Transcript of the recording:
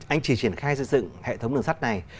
anh chỉ triển khai xây dựng hệ thống đường sắt này